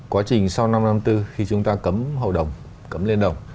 quá trình sau năm năm tư khi chúng ta cấm hầu đồng cấm liên đồng